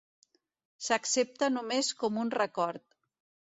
S'accepta només com un record.